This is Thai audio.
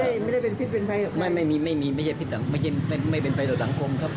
ไม่ไม่ได้เป็นพิษเป็นภัยหรอกไงไม่ไม่มีไม่มีไม่ใช่พิษตังคมไม่เป็นไม่เป็นภัยตัวตังคมครับ